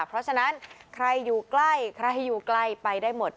เพราะฉะนั้นใครอยู่ใกล้ใครให้อยู่ใกล้ไปได้หมด